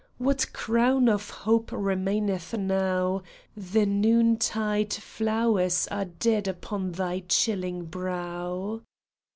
What crown of hope remaineth now The noontide flowers are dead upon thy chilling brow